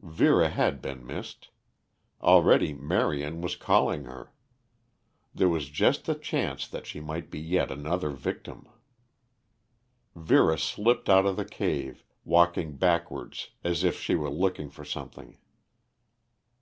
Vera had been missed. Already Marion was calling her. There was just the chance that she might be yet another victim. Vera slipped out of the cave, walking backwards as if she were looking for something.